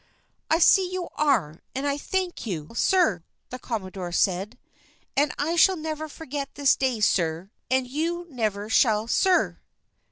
"I see you are, and I thank you, sir," the commodore said; "and I shall never forget this day, sir, and you never shall, sir."